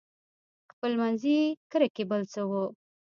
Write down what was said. خپلمنځي کرکې بل څه وو.